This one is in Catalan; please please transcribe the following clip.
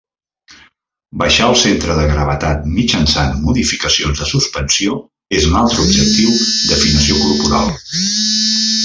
Baixar el centre de gravetat mitjançant modificacions de suspensió és un altre objectiu d'afinació corporal.